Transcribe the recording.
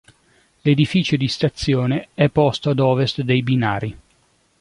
L'edificio di stazione è posto ad ovest dei binari.